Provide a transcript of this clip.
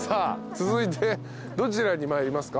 続いてどちらに参りますか？